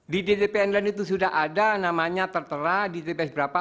di dpt online itu sudah ada namanya tertera di tps berapa